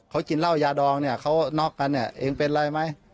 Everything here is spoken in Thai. เขากินเหล้ายาดองเนี่ยเขาน็อกกันเนี่ยเองเป็นอะไรไหม